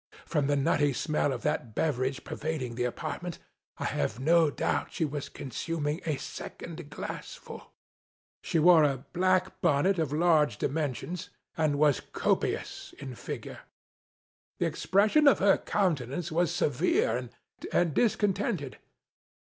From the nutty smell of that beverage per vading the apartment, I have no doubt she was consuming a second glassful. She wore a black bonnet of large dimensions, and was copious in figure. The expression of her countenance was severe and discontented.